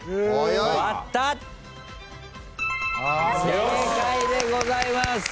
正解でございます。